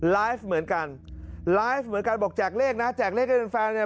ไลฟ์เหมือนกันบอกแจกเลขนะแจกเลขเป็นแฟนเนี่ย